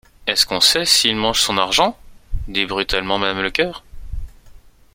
Est-ce qu’on sait s’il mange son argent! dit brutalement madame Lecœur.